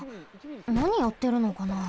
なにやってるのかな？